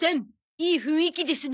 いい雰囲気ですな。